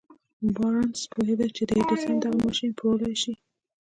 بارنس پوهېده چې د ايډېسن دغه ماشين پلورلای شي.